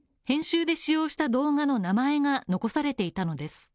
編集で使用した動画の名前が残されていたのです。